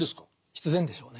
必然でしょうね。